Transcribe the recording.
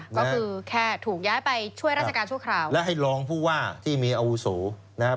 ก็คือแค่ถูกย้ายไปช่วยราชการชั่วคราวและให้รองผู้ว่าที่มีอาวุโสนะครับ